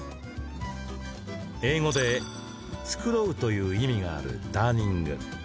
英語で、繕うという意味があるダーニング。